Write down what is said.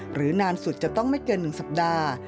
หรือนานสุดจะต้องไม่เกินหนึ่งสัปดาห์